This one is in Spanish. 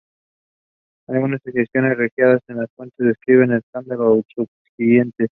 Algunas excepciones registradas en las fuentes describen el escándalo subsiguiente.